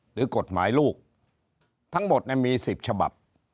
หรือกฎหมายลูกทั้งหมดมี๑๐ฉบับ